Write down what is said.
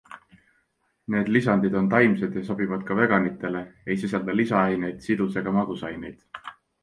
Need lisandid on taimsed ja sobivad ka veganitele, ei sisalda lisaaineid, sidus- ega magusaineid.